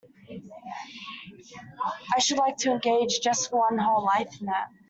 I should like to engage just for one whole life in that.